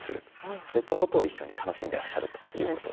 そういったことを一緒に楽しんでらっしゃるということでした。